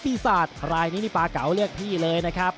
ปีศาจลายนินิปาเก๋าเลือกพี่เลยนะครับ